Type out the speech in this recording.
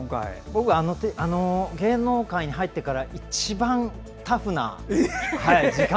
僕、芸能界に入ってから一番タフな時間。